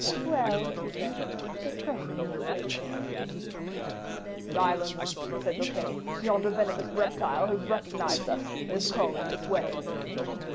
"Well," he said, "discretion is a great virtue." "Silence," said Fouquet; "yonder venomous reptile has recognized us, and is crawling this way."